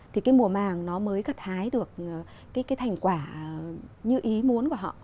thì cái mùa màng nó mới gặt hái được cái thành quả như ý muốn của họ